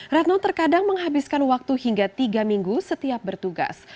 retno terkadang menghabiskan waktu hingga tiga minggu setiap bertugas